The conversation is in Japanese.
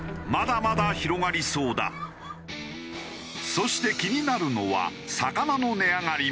そして気になるのは魚の値上がりも。